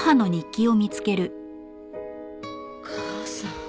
お母さん。